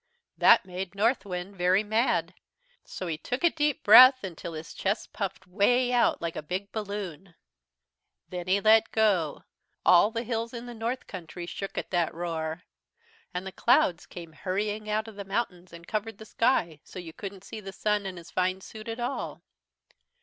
"That made Northwind very mad. So he took a deep breath until his chest puffed way out like a big balloon. "Then he let go. All the hills in the north country shook at that roar. "And the clouds came hurrying out of the mountains and covered the sky so you couldn't see the Sun and his fine suit at all.